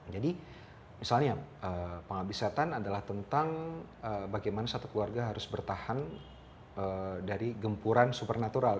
jadi misalnya pengabdi setan adalah tentang bagaimana satu keluarga harus bertahan dari gempuran supernatural